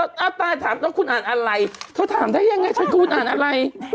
เอาตายถามต้องคุณอ่านอะไรเธอถามได้ยังไงฉันคุณอ่านอะไร